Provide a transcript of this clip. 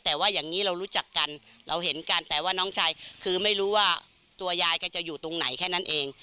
แต่ว่าอย่างนี้เรารู้จักกันเราเห็นกันแต่ว่าน้องชายคือไม่รู้ว่าตัวยายก็จะอยู่ตรงไหนแค่นั้นเอง